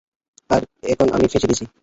আর এখন আমি ফেঁসে গেছি।